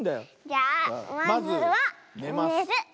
じゃあまずはねる。